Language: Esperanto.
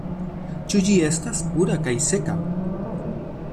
Ĉu ĝi estas pura kaj seka?